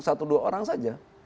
satu dua orang saja